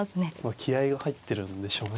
気合いが入ってるんでしょうね。